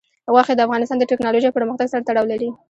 غوښې د افغانستان د تکنالوژۍ پرمختګ سره تړاو لري.